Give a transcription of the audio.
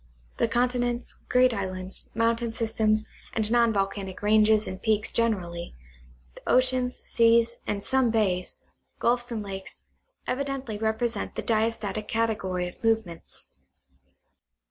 The continents, great islands, mountain systems, and non volcanic ranges and peaks generally, the oceans, seas, and some bays, gulfs and lakes, evidently represent the diastatic category of move ments.